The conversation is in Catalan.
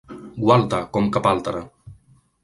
Gualta, com cap altre!